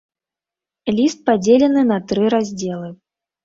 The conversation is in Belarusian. Ліст падзелены на тры раздзелы.